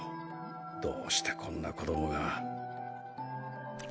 どうしてこんな子供が。